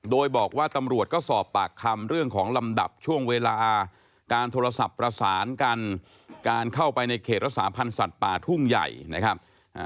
โดยบอกว่าตำรวจก็สอบปากคำเรื่องของลำดับช่วงเวลาการโทรศัพท์ประสานกันการเข้าไปในเขตรักษาพันธ์สัตว์ป่าทุ่งใหญ่นะครับ